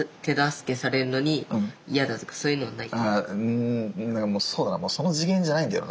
うんなんかもうそうだなその次元じゃないんだよ